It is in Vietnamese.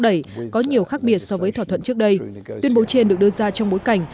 đẩy có nhiều khác biệt so với thỏa thuận trước đây tuyên bố trên được đưa ra trong bối cảnh